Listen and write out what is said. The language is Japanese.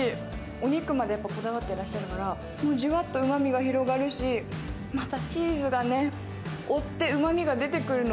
お肉までこだわっていらっしゃるから、ジュワッとうまみが広がるしまたチーズがね、追ってうまみが出てくるの。